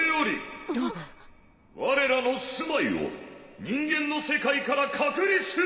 ・われらのすまいを人間の世界から隔離する！